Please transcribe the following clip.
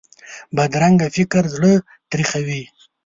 بدرنګه فکر زړه تریخوي